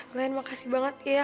glenn makasih banget iya